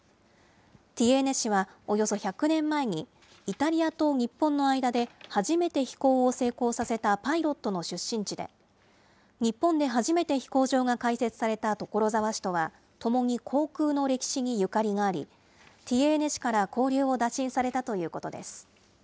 ティエーネ市はおよそ１００年前に、イタリアと日本の間で初めて飛行を成功させたパイロットの出身地で、日本で初めて飛行場が開設された所沢市とは、ともに航空の歴史にゆかりがあり、ティエーネ市から交流を打診されたということです。